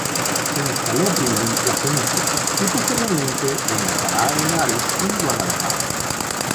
Se instaló primero en Plasencia y posteriormente en Alcalá de Henares y Guadalajara.